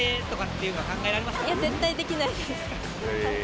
いや、絶対できないです。